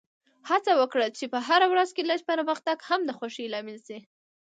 هڅه وکړه چې په هره ورځ کې لږ پرمختګ هم د خوښۍ لامل شي.